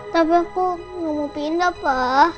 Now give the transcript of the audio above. tapi aku mau pindah pa